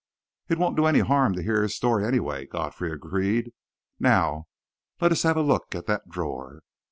"It won't do any harm to hear his story, anyway," Godfrey agreed. "Now let's have a look at that drawer."